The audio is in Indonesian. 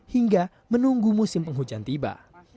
hingga menunggu musim penghujan tiba